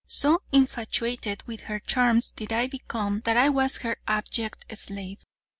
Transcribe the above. So infatuated with her charms did I become that I was her abject slave.